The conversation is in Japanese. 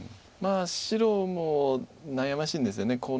まあ白も悩ましいんですよね。